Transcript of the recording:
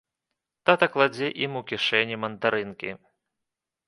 Тата кладзе ім у кішэні мандарынкі.